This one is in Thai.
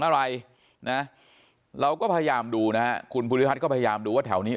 อะไรนะเราก็พยายามดูนะฮะคุณภูริพัฒน์ก็พยายามดูว่าแถวนี้